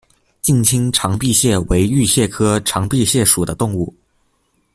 近亲长臂蟹为玉蟹科长臂蟹属的动物。